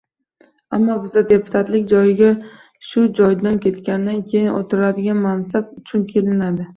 Ammo bizda deputatlik joyiga shu joydan ketganidan keyin o‘tiriladigan mansab uchun kelinadi.